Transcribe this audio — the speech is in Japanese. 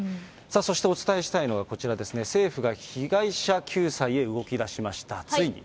そしてお伝えしたいのがこちらですね、政府が被害者救済へ動きだしました、ついに。